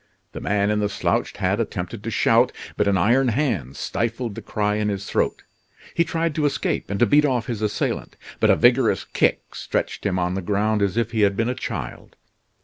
The man in the slouched hat attempted to shout, but an iron hand stifled the cry in his throat. He tried to escape, and to beat off his assailant, but a vigorous kick stretched him on the ground as if he had been a child.